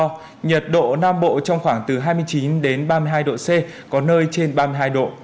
nhiệt độ nam bộ trong khoảng từ hai mươi chín đến ba mươi hai độ c có nơi trên ba mươi hai độ